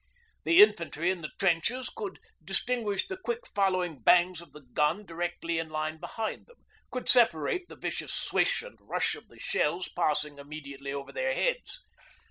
The infantry in the trenches could distinguish the quick following bangs of the guns directly in line behind them, could separate the vicious swish and rush of the shells passing immediately over their heads.